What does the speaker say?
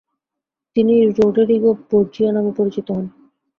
তিনি রোডেরিগো বোর্জিয়া নামে পরিচিত হন।